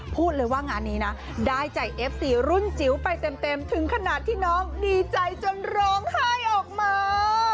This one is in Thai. พูดเลยว่างานนี้นะได้ใจเอฟซีรุ่นจิ๋วไปเต็มถึงขนาดที่น้องดีใจจนร้องไห้ออกมา